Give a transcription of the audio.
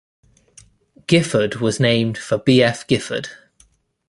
Gifford was named for B. F. Gifford.